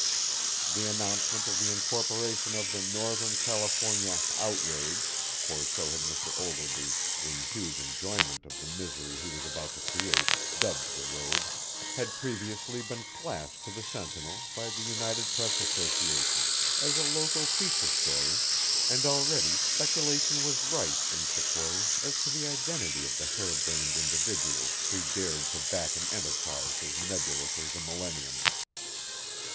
The announcement of the incorporation of the Northern California Outrage (for so had Mr. Ogilvy, in huge enjoyment of the misery he was about to create, dubbed the road) had previously been flashed to the Sentinel by the United Press Association, as a local feature story, and already speculation was rife in Sequoia as to the identity of the harebrained individuals who dared to back an enterprise as nebulous as the millennium.